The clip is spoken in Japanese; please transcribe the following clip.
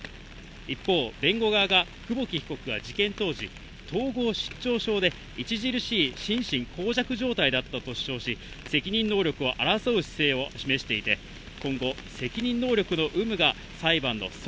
一方、弁護側は久保木被告が事件当時、統合失調症で著しい心神耗弱状態だったと主張し、責任能力を争う姿勢を示していて、お天気です。